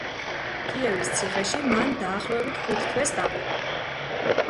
კიევის ციხეში მან დაახლოებით ხუთ თვეს დაყო.